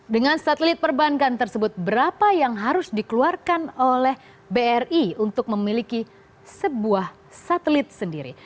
dengan satelit perbankan tersebut berapa yang harus dikeluarkan oleh bri untuk memiliki sebuah satelit sendiri